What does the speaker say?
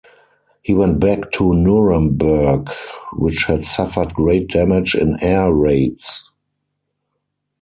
He went back to Nuremberg, which had suffered great damage in air raids.